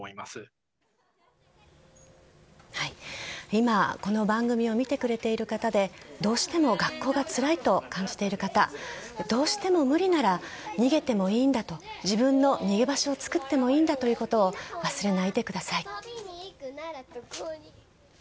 今、この番組を見てくれている方でどうしても学校がつらいと感じている方どうしても無理なら逃げてもいいんだと自分の逃げ場所を作ってもいいんだということを忘れないでください。